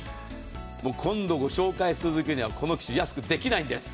今度ご紹介するときには、こんな安くできないんです。